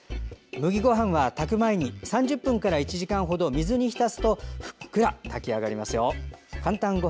麦ごはんは、炊く前に３０分から１時間程水に浸すとふっくら炊き上がりますよ。